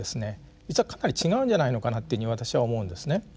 実はかなり違うんじゃないのかなというふうに私は思うんですね。